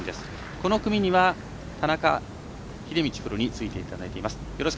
この組には田中秀道プロについていただいています。